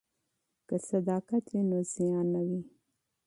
که صداقت وي نو زیان نه وي.